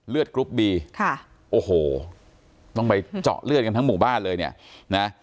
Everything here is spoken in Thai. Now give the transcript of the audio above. กรุ๊ปบีค่ะโอ้โหต้องไปเจาะเลือดกันทั้งหมู่บ้านเลยเนี่ยนะ